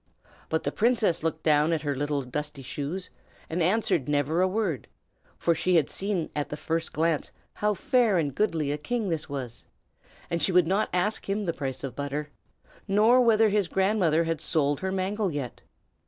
But the princess looked down at her little dusty shoes, and answered never a word; for she had seen at the first glance how fair and goodly a king this was, and she would not ask him the price of butter, nor whether his grandmother had sold her mangle yet.